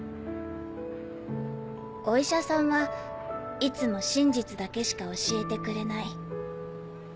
お医者さんはいつも真実だけしか教えてくれない。